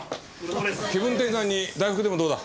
気分転換に大福でもどうだ？